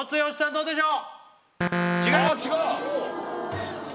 どうでしょう？